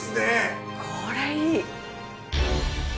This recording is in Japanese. これいい！